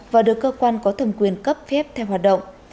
và được cơ quan có thẩm quyền cấp phép theo hoạt động